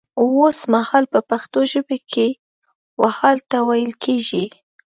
وسمهال په پښتو ژبه کې و حال ته ويل کيږي